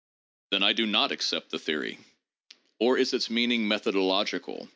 Then I do not accept the theory. Or is its meaning methodological?